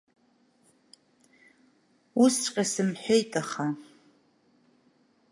Усҵәҟьа сымҳәеит, аха…